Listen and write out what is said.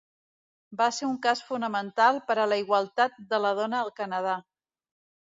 Va ser un cas fonamental per a la igualtat de la dona al Canadà.